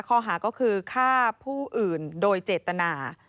ข้อหาก็คือฆ่าผู้อื่นโดยเจตนา